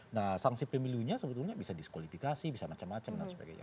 nah sanksi pemilunya sebetulnya bisa diskualifikasi bisa macam macam dan sebagainya